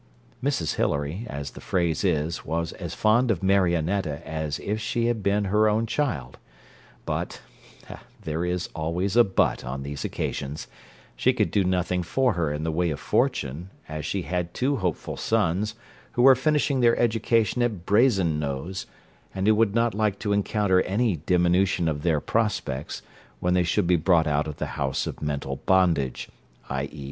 Mrs Hilary, as the phrase is, was as fond of Marionetta as if she had been her own child: but there is always a but on these occasions she could do nothing for her in the way of fortune, as she had two hopeful sons, who were finishing their education at Brazen nose, and who would not like to encounter any diminution of their prospects, when they should be brought out of the house of mental bondage i.e.